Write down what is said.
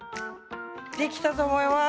出来たと思います。